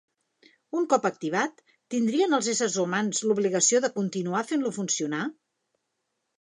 Un cop activat, tindrien els éssers humans l'obligació de continuar fent-lo funcionar?